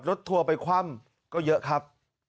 ทัวร์ไปคว่ำก็เยอะครับ